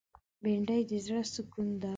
بېنډۍ د زړه سکون ده